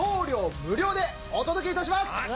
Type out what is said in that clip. でお届けいたします。